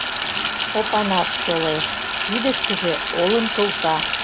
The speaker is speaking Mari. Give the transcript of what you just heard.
Опанас толеш, кидыштыже олым кылта.